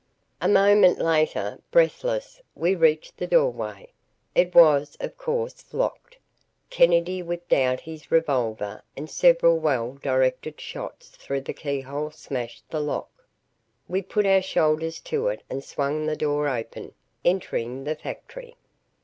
A moment later, breathless, we reached the doorway. It was, of course, locked. Kennedy whipped out his revolver and several well directed shots through the keyhole smashed the lock. We put our shoulders to it and swung the door open, entering the factory.